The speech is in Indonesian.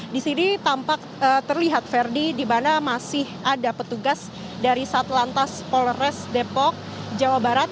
di sini tampak terlihat ferdi di mana masih ada petugas dari satlantas polres depok jawa barat